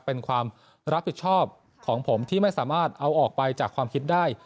เป็นความรับผิดชอบของผมที่ไม่สามารถเอาออกไปจากความคิดได้